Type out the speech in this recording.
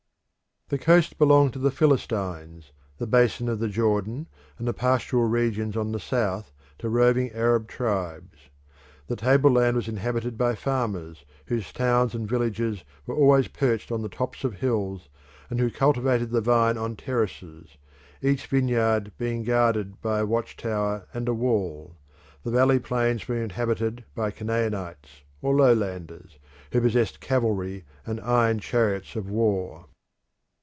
The coast belonged to the Philistines, the basin of the Jordan and the pastoral regions on the south to roving Arab tribes; the tableland was inhabited by farmers whose towns and villages were always perched on the tops of hills, and who cultivated the vine on terraces, each vineyard being guarded by a watch tower and a wall; the valley plains were inhabited by Canaanites or lowlanders, who possessed cavalry and iron chariots of war.